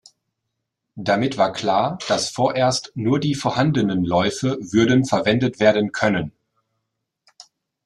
Damit war klar, dass vorerst nur die vorhandenen Läufe würden verwendet werden können.